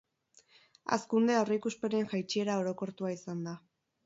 Hazkunde aurreikuspenen jaitsiera orokortua izan da.